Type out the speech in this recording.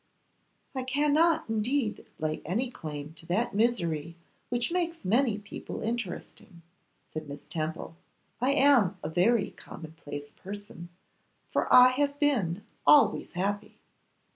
'I cannot indeed lay any claim to that misery which makes many people interesting,' said Miss Temple; 'I am a very commonplace person, for I have been always happy.